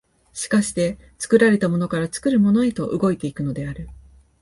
而して作られたものから作るものへと動いて行くのである。